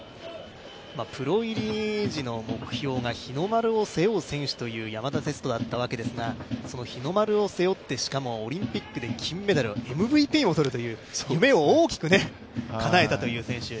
プロ入り時の目標が日の丸を背負う選手という山田哲人選手でしたが、その日の丸を背負って、しかもオリンピックで金メダル、ＭＶＰも取るという、夢を大きくかなえたという選手。